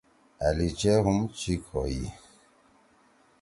ألیِچے ہُم چِک ہوئی۔